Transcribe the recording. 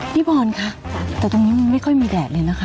พี่บอลค่ะแต่ตรงนี้มันไม่ค่อยมีแดดเลยนะคะ